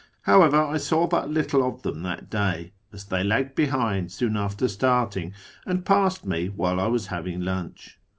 However, I saw but little of them that day, as they lagged behind soon after starting, and passed me while I was having lunch.